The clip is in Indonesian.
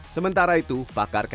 sementara itu pakar kpu